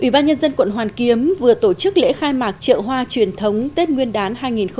ủy ban nhân dân quận hoàn kiếm vừa tổ chức lễ khai mạc triệu hoa truyền thống tết nguyên đán hai nghìn một mươi tám